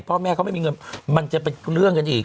พ่อแม่เขาไม่มีเงินมันจะเป็นเรื่องกันอีก